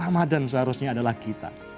ramadhan seharusnya adalah kita